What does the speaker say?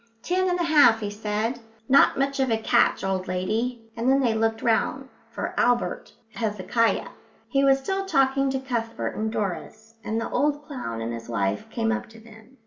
"Ten and a half," he said, "not much of a catch, old lady," and then they looked round for Albert Hezekiah. He was still talking to Cuthbert and Doris, and the old clown and his wife came up to them.